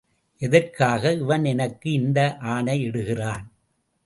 எதற்காக இவன் எனக்கு இந்த ஆணையிடுகிறான்?